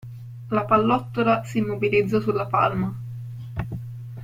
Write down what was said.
La pallottola s'immobilizzò sulla palma.